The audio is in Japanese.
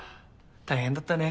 大変だったね。